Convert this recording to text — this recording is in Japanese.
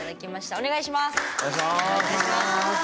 お願いします。